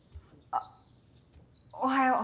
あっおはよう。